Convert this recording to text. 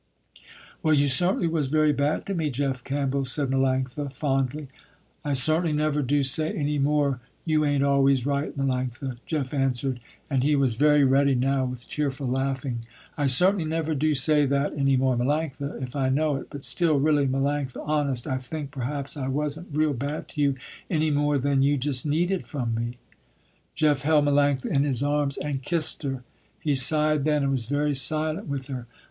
"Well you certainly was very bad to me, Jeff Campbell," said Melanctha, fondly. "I certainly never do say any more you ain't always right, Melanctha," Jeff answered and he was very ready now with cheerful laughing, "I certainly never do say that any more, Melanctha, if I know it, but still, really, Melanctha, honest, I think perhaps I wasn't real bad to you any more than you just needed from me." Jeff held Melanctha in his arms and kissed her. He sighed then and was very silent with her.